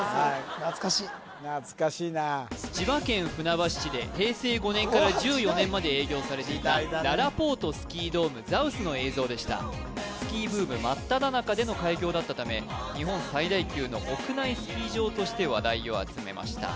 懐かしいな千葉県船橋市で平成５年から１４年まで営業されていたららぽーとスキードームＳＳＡＷＳの映像でしたスキーブームまっただ中での開業だったため日本最大級の屋内スキー場として話題を集めました